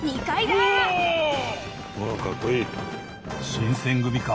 新選組か！